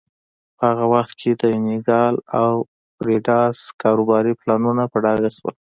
په هغه وخت کې د یونیکال او بریډاس کاروباري پلانونه په ډاګه شول.